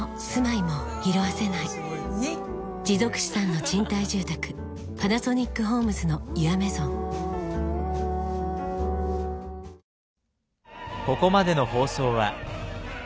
持続資産の賃貸住宅「パナソニックホームズのユアメゾン」んん？